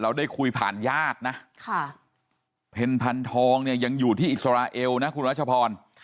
ได้คุยผ่านญาตินะเพ็ญพันธองเนี่ยยังอยู่ที่อิสราเอลนะคุณรัชพร